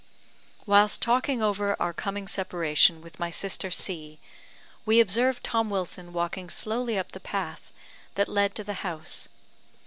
Whilst talking over our coming separation with my sister C , we observed Tom Wilson walking slowly up the path that led to the house.